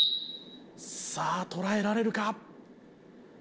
さあとらえられるか？